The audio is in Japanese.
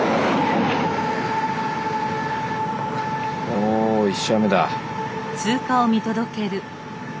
お１車目だ。